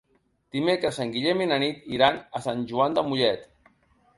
Dimecres en Guillem i na Nit iran a Sant Joan de Mollet.